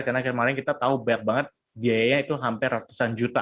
karena kemarin kita tahu banyak banget biayanya itu hampir ratusan juta